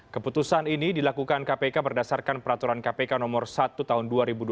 keputusan ini dilakukan kpk berdasarkan peraturan kpk no satu tahun dua ribu dua puluh